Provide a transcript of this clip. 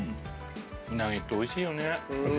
うなぎっておいしいよね。